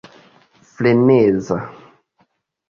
freneza